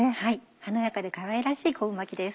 華やかでかわいらしい昆布巻きです。